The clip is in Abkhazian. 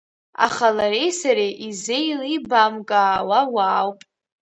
Аха лареи сареи изеилибамкаауа уаауп.